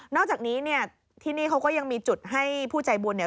นอกจากนี้ที่นี่เขาก็ยังมีจุดให้ผู้ใจบุญ